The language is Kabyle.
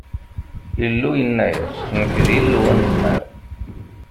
Illu yenna-yas: Nekk, d Illu Anezmar!